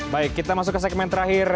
baik kita masuk ke segmen terakhir